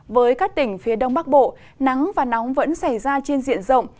với các tỉnh phía đông bắc bộ nắng và nóng vẫn xảy ra trên diện rộng